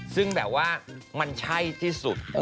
ซึ่งแบบว่ามันใช่ที่สุด